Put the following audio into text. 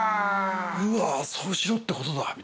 うわそうしろってことだみたいな。